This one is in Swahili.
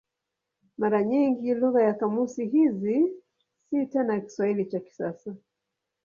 Mara nyingi lugha ya kamusi hizi si tena Kiswahili cha kisasa.